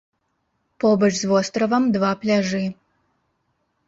Побач з востравам два пляжы.